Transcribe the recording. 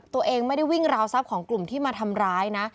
ตัวเองไม่ได้วิ่งราวทรัพย์ของกลุ่มที่มาทำร้ายนะ